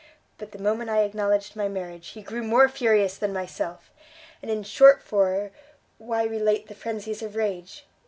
But the moment I acknowledged my marriage he grew more furious than myself; and, in short for why relate the frenzies of rage?